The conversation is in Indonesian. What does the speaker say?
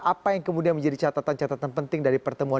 apa yang kemudian menjadi catatan catatan penting dari pertemuan